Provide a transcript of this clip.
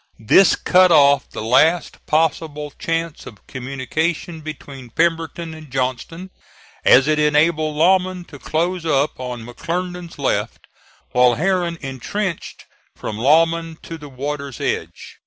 This cut off the last possible chance of communication between Pemberton and Johnston, as it enabled Lauman to close up on McClernand's left while Herron intrenched from Lauman to the water's edge.